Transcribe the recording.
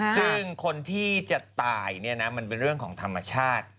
ซึ่งคนที่จะตายเนี่ยนะมันเป็นเรื่องของธรรมชาติ